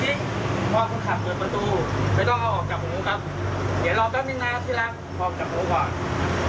เดี๋ยวรอแป๊บนิดหนึ่งนะที่รักพอจับรูปก่อน